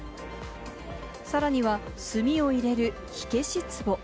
さらには炭を入れる火消しつぼ。